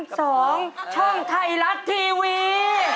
ช่องไทยรัฐทีวี